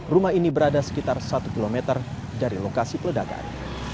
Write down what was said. rumah ini berada sekitar satu km dari lokasi peledakan